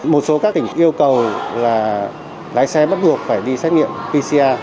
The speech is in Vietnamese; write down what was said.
một số các tỉnh yêu cầu là lái xe bắt buộc phải đi xét nghiệm pcr